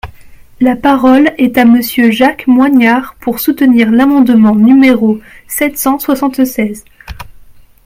La parole est à Monsieur Jacques Moignard, pour soutenir l’amendement numéro sept cent soixante-seize.